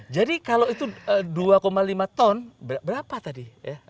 jadi kalau itu dua lima ton berapa tadi